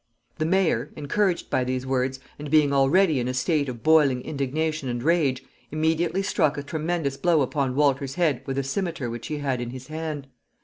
The mayor, encouraged by these words, and being already in a state of boiling indignation and rage, immediately struck a tremendous blow upon Walter's head with a cimeter which he had in his hand.